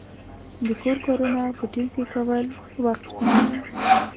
د کور کارونه په ټیم کې کول وخت سپموي.